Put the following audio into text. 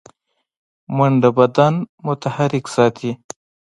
منډه بدن متحرک ساتي